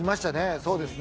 そうですね。